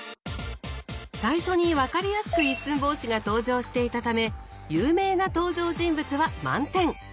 最初に分かりやすく一寸法師が登場していたため「有名な登場人物」は満点。